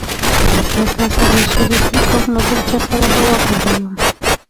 که له تا سره یې شریک نه کړم له بل چا سره به وغږېږم.